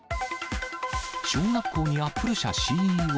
小学校にアップル社ＣＥＯ。